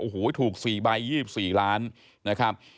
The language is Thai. โอ้โหถูก๔ใบ๒๔ล้านนะครับ